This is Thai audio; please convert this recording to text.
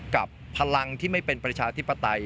กับพลังที่ไม่เป็นประชาธิปไตย